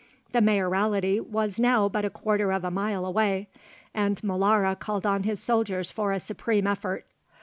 The Mayoralty was now but a quarter of a mile away, and Molara called on his soldiers for a supreme effort.